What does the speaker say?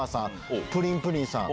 プリンプリンさん